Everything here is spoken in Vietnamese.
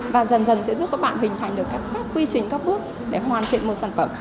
và dần dần sẽ giúp các bạn hình thành được các quy trình các bước để hoàn thiện một sản phẩm